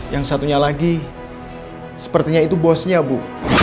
yang satunya lagi sepertinya itu bosnya bu